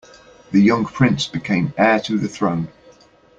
The young prince became heir to the throne.